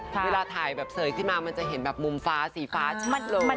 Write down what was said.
เวลาถ่ายแบบเสยขึ้นมามันจะเห็นแบบมุมฟ้าสีฟ้าชัดเลย